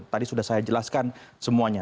tadi sudah saya jelaskan semuanya